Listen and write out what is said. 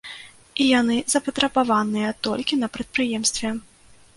І яны запатрабаваныя толькі на прадпрыемстве.